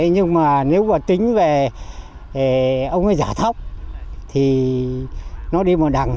nhưng mà nếu mà tính về ông ấy giả thóc thì nó đi vào đằng